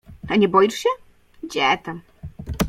— A nie boisz się? — Gdzie tam.